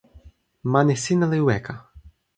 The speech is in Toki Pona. mani sina li weka.